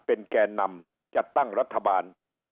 เป็นแก่นำจัดตั้งรัฐบาล